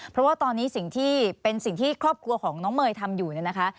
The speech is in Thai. เพราะว่าตอนนี้สิ่งที่เป็นสิ่งที่ครอบครัวของน้องเมย์ทำอยู่เนี่ยนะคะ